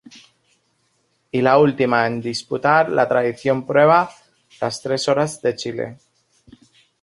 Y la última en disputar la tradicional prueba "Las Tres Horas de Chile".